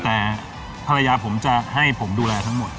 แต่ภรรยาผมจะให้ผมดูแลทั้งหมด